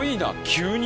急に？